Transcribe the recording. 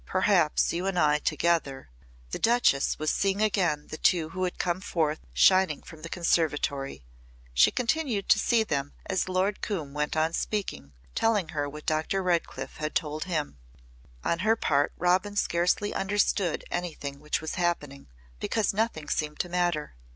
Perhaps you and I together " The Duchess was seeing again the two who had come forth shining from the conservatory. She continued to see them as Lord Coombe went on speaking, telling her what Dr. Redcliff had told him. On her part Robin scarcely understood anything which was happening because nothing seemed to matter.